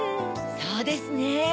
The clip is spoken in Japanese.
そうですね。